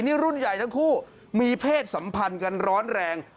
นี่รุ่นใหญ่ทั้งคู่มีเพศสัมพันธ์กันร้อนแรง